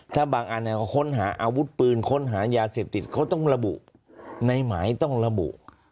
ถ้าบางอันเขาค้นหาอาวุธปืนค้นหายาเสพติดเขาต้องระบุในหมายต้องระบุ